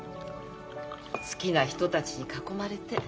好きな人たちに囲まれて。